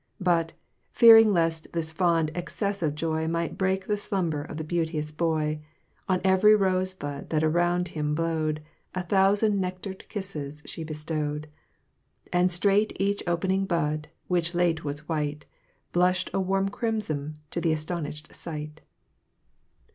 But, fearing lest this fond excess of joy Might break the slumber of the beauteous boy, On every rose bud that around him blowed, A thousand nectared kisses she bestowed; And straight each opening bud, which late was white, Blushed a warm crimson to the astonished sight.